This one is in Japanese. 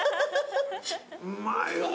うまいわ。